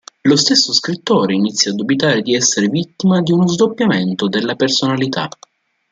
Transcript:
Lo stesso scrittore inizia a dubitare di essere vittima di uno sdoppiamento della personalità.